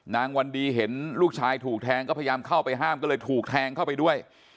วันดีเห็นลูกชายถูกแทงก็พยายามเข้าไปห้ามก็เลยถูกแทงเข้าไปด้วย